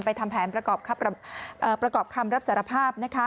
ทำแผนประกอบคำรับสารภาพนะคะ